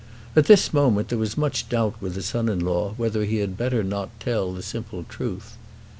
At this moment there was much doubt with the son in law whether he had better not tell the simple truth.